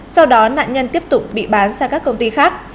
sau đó nạn nhân tiếp tục bị bán sang các công ty khác